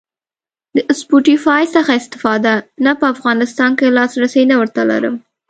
د سپوټیفای څخه استفاده؟ نه په افغانستان کی لاسرسی نه ور ته لرم